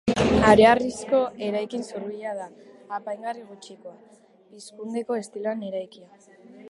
Hareharrizko eraikin zurbila da, apaingarri gutxikoa, pizkundeko estiloan eraikia.